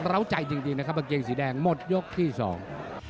้าวใจจริงจริงนะครับกางเกงสีแดงหมดยกที่สอง